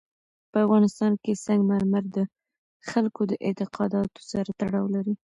په افغانستان کې سنگ مرمر د خلکو د اعتقاداتو سره تړاو لري.